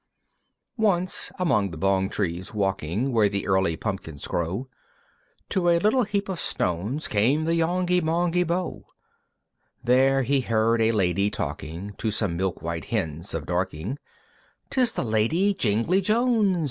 II. Once, among the Bong trees walking Where the early pumpkins grow, To a little heap of stones Came the Yonghy Bonghy Bò. There he heard a Lady talking, To some milk white Hens of Dorking, "'Tis the Lady Jingly Jones!